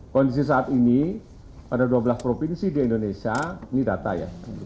kondisi saat ini pada dua belas provinsi di indonesia ini data ya